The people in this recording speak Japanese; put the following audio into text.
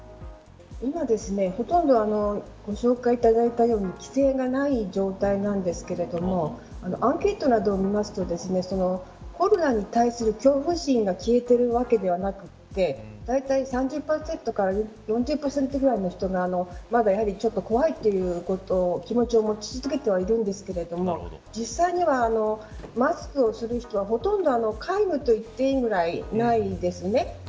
今、ほとんどご紹介いただいたように規制がない状態なんですけどアンケートなどを見るとコロナに対する恐怖心が消えているわけではなくて大体、３０％から４０％ぐらいの人がまだやはりちょっと怖いという気持ちを持ち続けてはいるんですが実際には、マスクをする人はほとんど皆無と言っていいぐらいないですね。